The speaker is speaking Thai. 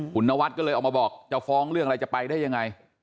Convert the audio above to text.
คุณนวัดก็เลยออกมาบอกจะฟ้องเรื่องอะไรจะไปได้ยังไง